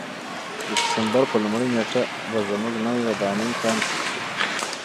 د دسمبر په لومړۍ نېټه به زموږ نوې ودانۍ پرانیستل شي.